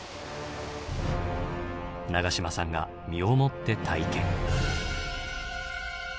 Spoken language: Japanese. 永島さんが身をもって体験。